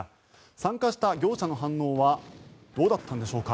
参加した業者の反応はどうだったのでしょうか。